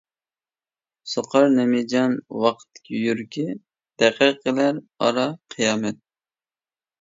سوقار نىمجان ۋاقىت يۈرىكى، دەقىقىلەر ئارا قىيامەت.